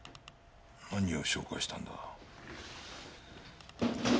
何を照会したんだ？